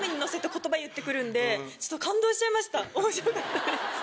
面白かったです。